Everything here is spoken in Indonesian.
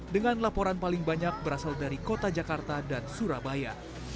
dengan laporan paling banyak berasal dari kota jakarta dan surabaya